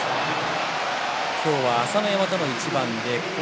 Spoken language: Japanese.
今日は朝乃山との一番です。